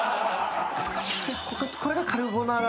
これがカルボナーラソース。